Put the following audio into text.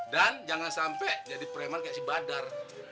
dan jangan sampai jadi preman kayak si badar